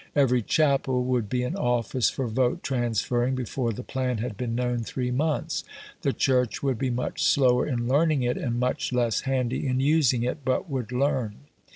Every chapel would be an office for vote transferring before the plan had been known three months. The Church would be much slower in learning it and much less handy in using it; but would learn.